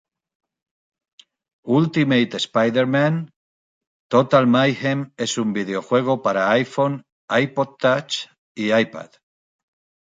Ultimate Spider-Man: Total Mayhem es un videojuego para iPhone, iPod Touch y iPad.